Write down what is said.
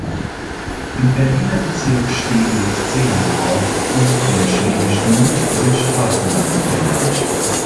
Im Berliner Bezirk Steglitz-Zehlendorf und in Schwäbisch Gmünd sind Straßen nach ihm benannt.